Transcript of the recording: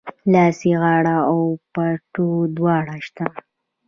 لاسي غاړه او پټو دواړه سته